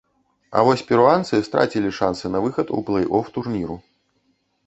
А вось перуанцы страцілі шанцы на выхад у плэй-оф турніру.